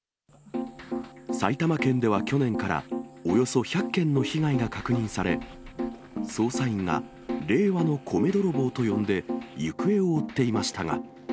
埼玉県では去年から、およそ１００件の被害が確認され、捜査員が令和の米泥棒と呼んで行方を追っていましたが。